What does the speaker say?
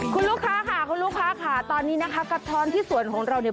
คุณลูกค้าค่ะคุณลูกค้าค่ะตอนนี้นะคะกระท้อนที่สวนของเราเนี่ย